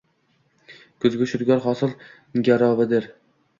Kuzgi shudgor mo‘l hosil garovidirng